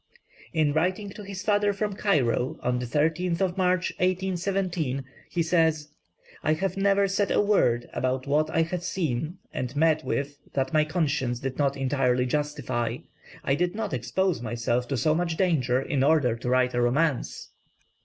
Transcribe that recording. In writing to his father from Cairo on the 13th of March, 1817, he says, "I have never said a word about what I have seen and met with that my conscience did not entirely justify; I did not expose myself to so much danger in order to write a romance!"